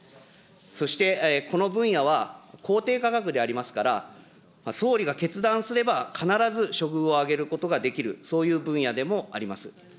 そして、この分野は公定価格でありますから、総理が決断すれば必ず処遇を上げることができる、そういう分野でもあります。